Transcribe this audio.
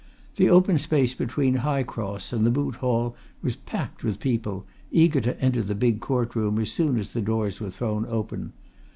The open space between High Cross and the Moot Hall was packed with people, eager to enter the big court room as soon as the doors were thrown open.